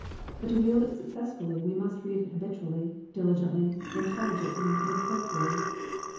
But to wield it successfully, we must read it habitually, diligently, intelligently, and prayer fully.